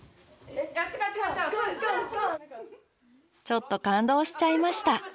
ちょっと感動しちゃいました。